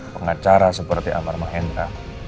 pengacara seperti amar mahendra